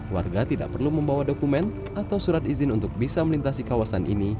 warga tidak perlu membawa dokumen atau surat izin untuk bisa melintasi kawasan ini